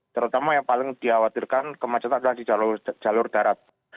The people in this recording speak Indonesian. terutama yang paling dikhawatirkan kemacetan adalah di jalur darat